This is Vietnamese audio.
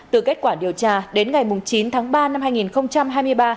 từ kết quả điều tra đến ngày chín tháng ba năm hai nghìn hai mươi ba